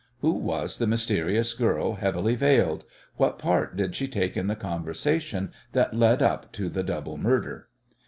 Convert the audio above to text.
Who was the mysterious girl heavily veiled? What part did she take in the conversation that led up to the double murder?